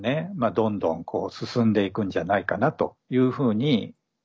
どんどんこう進んでいくんじゃないかなというふうに心配されるわけですね。